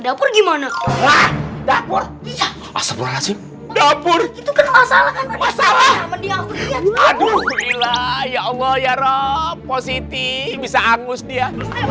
dapur gimana dapur asal asin dapur itu kan masalah masalah aduh ya allah ya robb positi bisa angus dia